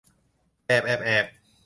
แบบแอบแอบ